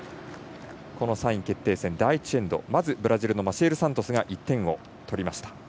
この３位決定戦第１エンド、まずブラジルのマシエル・サントスが１点を取りました。